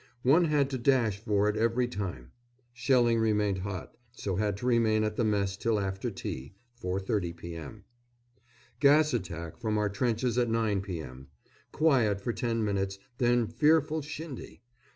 One had to dash for it every time. Shelling remained hot, so had to remain at the mess till after tea, 4.30 p.m. Gas attack from our trenches at 9 p.m. Quiet for ten minutes, then fearful shindy.